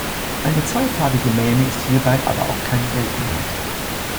Eine zweifarbige Mähne ist hierbei aber auch keine Seltenheit.